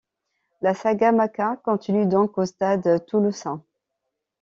La saga Maka continue donc au Stade toulousain.